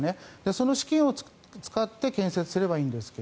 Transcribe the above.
その資金を使って建設すればいいんですが